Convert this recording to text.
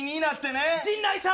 陣内さん